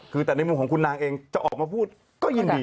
คือแต่ในมุมของคุณนางเองจะออกมาพูดก็ยินดี